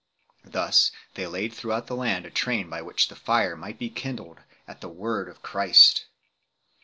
Thus they laid throughout the land a train by which the fire might be kindled at the word of Christ 3